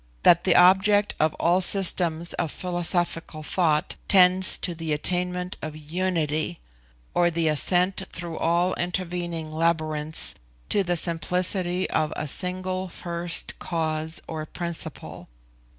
that the object of all systems of philosophical thought tends to the attainment of unity, or the ascent through all intervening labyrinths to the simplicity of a single first cause or principle.